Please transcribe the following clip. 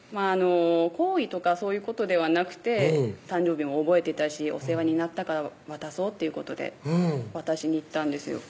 好意とかそういうことではなくて誕生日も覚えてたしお世話になったから渡そうっていうことで渡しに行ったんですよ